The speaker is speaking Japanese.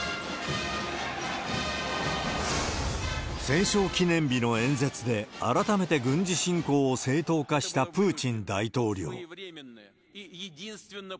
戦勝記念日の演説で、改めて軍事侵攻を正当化したプーチン大統領。